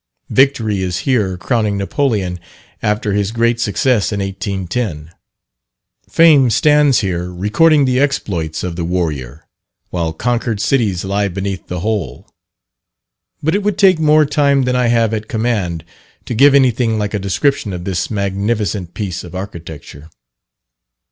Victory is here crowning Napoleon after his great success in 1810. Fame stands here recording the exploits of the warrior, while conquered cities lie beneath the whole. But it would take more time than I have at command to give anything like a description of this magnificent piece of architecture.